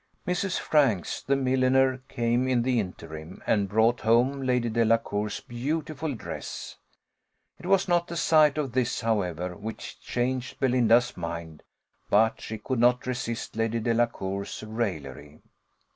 Mrs. Franks, the milliner, came in the interim, and brought home Lady Delacour's beautiful dress: it was not the sight of this, however, which changed Belinda's mind; but she could not resist Lady Delacour's raillery.